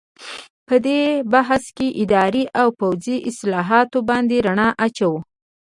په دې بحث کې اداري او پوځي اصلاحاتو باندې رڼا اچوو.